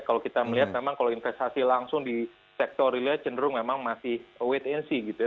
kalau kita melihat memang kalau investasi langsung di sektor relate cenderung memang masih wait and see gitu ya